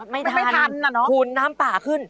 ไม่ทันนะเนอะมันไม่ทันขุนน้ำป่าขึ้น